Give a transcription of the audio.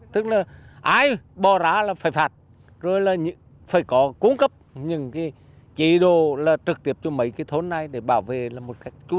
tức là ai bỏ ra là phải phạt rồi là phải có cung cấp những cái chỉ đồ